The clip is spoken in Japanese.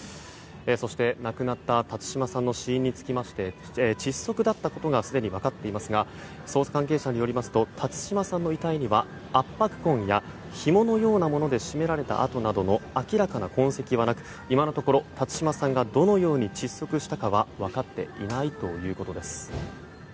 そして、亡くなった辰島さんの死因につきまして窒息だったことがすでに分かっていますが捜査関係者によりますと辰島さんの遺体には圧迫痕やひものようなもので絞められた痕などの明らかな痕跡はなく今のところ辰島さんがどのように窒息したかは分かっていないということです。